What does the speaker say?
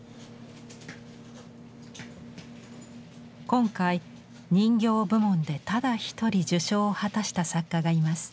今回人形部門でただ一人受賞を果たした作家がいます。